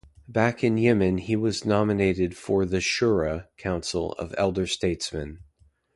Back in Yemen he was nominated for the "Shura" council of elder statesmen.